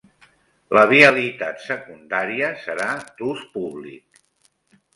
La vialitat secundària serà d'ús públic.